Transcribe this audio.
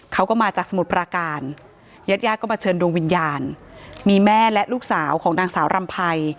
เขาก็มาจากสมุทรปราการญาติญาติก็มาเชิญดวงวิญญาณมีแม่และลูกสาวของนางสาวรำไพร